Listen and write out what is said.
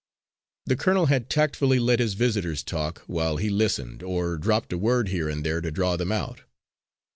The colonel had tactfully let his visitors talk, while he listened, or dropped a word here and there to draw them out.